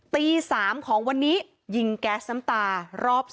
ตี๓ของวันนี้ยิงแก๊สน้ำตารอบ๒